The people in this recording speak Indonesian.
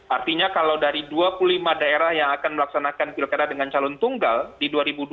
artinya kalau dari dua puluh lima daerah yang akan melaksanakan pilkada dengan calon tunggal di dua ribu dua puluh